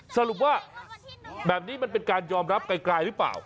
สรุปว่าแบบนี้มันเป็นการยอมรับไกลหรือเปล่า